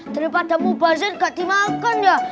daripada mubazir gak dimakan ya